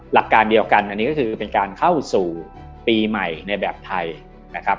หลักการเดียวกันอันนี้ก็คือเป็นการเข้าสู่ปีใหม่ในแบบไทยนะครับ